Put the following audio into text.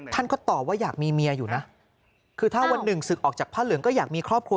ท่านก็ตอบว่าอยากมีเมียอยู่นะคือถ้าวันหนึ่งศึกออกจากผ้าเหลืองก็อยากมีครอบครัว